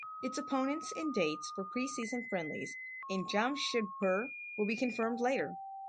Its opponents and dates for preseason friendlies in Jamshedpur will be confirmed later.